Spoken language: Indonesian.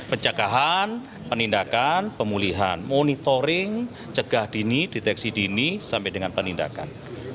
penjagaan penindakan pemulihan monitoring cegah dini deteksi dini sampai dengan penindakan